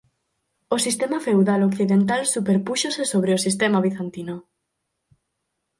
O sistema feudal occidental superpúxose sobre o sistema bizantino.